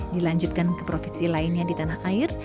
dilanjutkan ke provinsi lainnya di tanah air